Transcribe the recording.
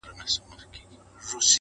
د دې خبري ثبوت هله نور هم ښه په ډاګه سي